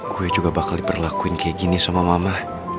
gue juga bakal diperlakuin kayak gini sama mama